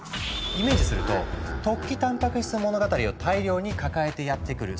イメージすると「突起たんぱく質物語」を大量に抱えてやって来る。